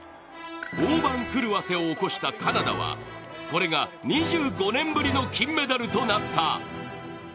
大番狂わせを起こしたカナダはこれが２５年ぶりの金メダルとなった。